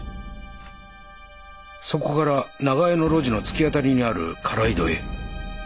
そこから長屋の路地の突き当たりにある空井戸へ。